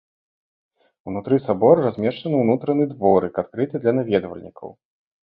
Унутры сабора размешчаны ўнутраны дворык, адкрыты для наведвальнікаў.